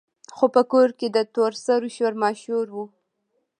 خو په کور کې د تور سرو شور ماشور وو.